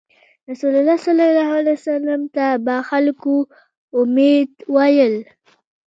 رسول الله ﷺ ته به خلکو “امین” ویل.